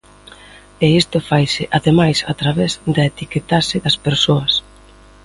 E isto faise, ademais, a través da etiquetaxe das persoas.